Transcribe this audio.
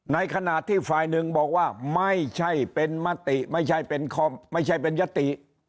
ในขณะที่ฝ่ายหนึ่งบอกว่าไม่ใช่เป็นมติไม่ใช่เป็นยติ